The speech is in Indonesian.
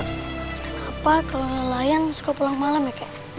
kenapa kalau nelayan suka pulang malam ya kak